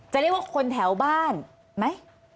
จะเรียกว่าคนแถวบ้านไหม